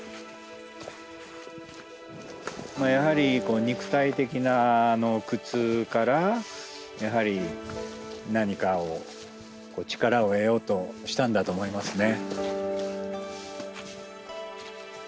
やはり肉体的な苦痛からやはり何かを力を得ようとしたんだと思いますね。